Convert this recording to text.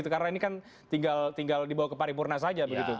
karena ini kan tinggal dibawa ke pariwurna saja begitu